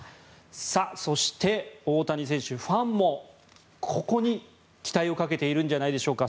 そして、大谷選手ファンもここに期待をかけているんじゃないでしょうか。